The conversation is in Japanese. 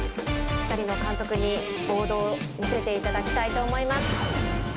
お二人の監督にボードを見せていただきたいと思います。